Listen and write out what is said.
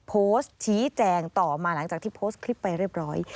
โพสต์ชี้แจงต่อมาหลังจากที่โพสต์คลิปไปเรียบร้อย